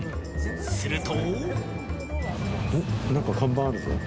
すると。